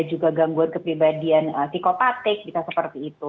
juga gangguan kepribadian psikopatik bisa seperti itu